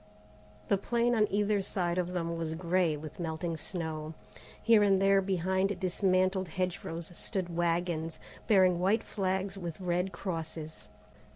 The plain on either side of them was grey with melting snow. Here and there behind dismantled hedge rows stood wagons, bearing white flags with red crosses.